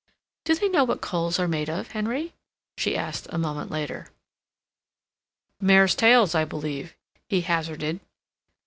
"Do they know what coals are made of, Henry?" she asked, a moment later. "Mares' tails, I believe," he hazarded.